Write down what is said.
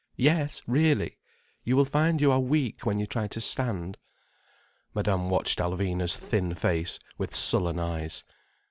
Yes, really—you will find you are weak when you try to stand." Madame watched Alvina's thin face with sullen eyes.